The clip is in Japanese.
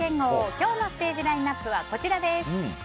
今日のステージラインアップはこちらです。